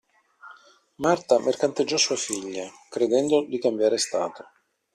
Marta mercanteggiò sua figlia, credendo di cambiare stato.